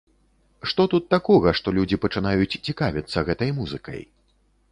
Што тут такога, што людзі пачынаюць цікавіцца гэтай музыкай?